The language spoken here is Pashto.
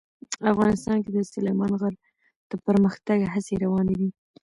افغانستان کې د سلیمان غر د پرمختګ هڅې روانې دي.